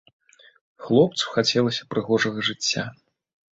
Хлопцу хацелася прыгожага жыцця.